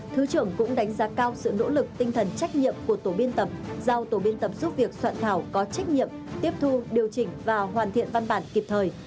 thứ trưởng cũng đánh giá cao sự nỗ lực tinh thần trách nhiệm của tổ biên tập giao tổ biên tập giúp việc soạn thảo có trách nhiệm tiếp thu điều chỉnh và hoàn thiện văn bản kịp thời